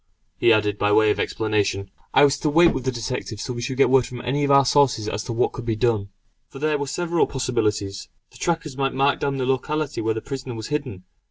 he added by way of explanation. I was to wait with the detectives till we should get word from any of our sources as to what could be done. For there were several possibilities. The trackers might mark down the locality where the prisoner was hidden.